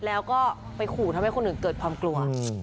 แล้วก็ไปขู่ทำให้คนอื่นเกิดความกลัว